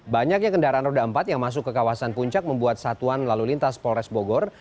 banyaknya kendaraan roda empat yang masuk ke kawasan puncak membuat satuan lalu lintas polres bogor